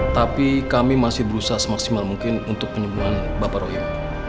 tapi kami masih berusaha semaksimal mungkin untuk penyembuhan bapak rohim